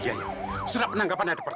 maka kamu harus anggap mereka serta